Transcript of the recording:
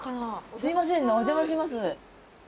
すいませんお邪魔します。